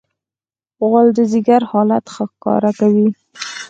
غول د ځیګر حالت ښکاره کوي.